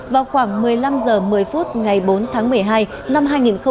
vào khoảng một mươi năm h một mươi phút ngày bốn tháng một mươi hai năm hai nghìn một mươi chín